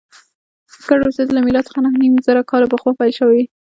ګډ اوسېدل له میلاد څخه نهه نیم زره کاله پخوا پیل شوي.